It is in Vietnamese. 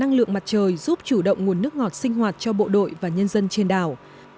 năng lượng mặt trời giúp chủ động nguồn nước ngọt sinh hoạt cho bộ đội và nhân dân trên đảo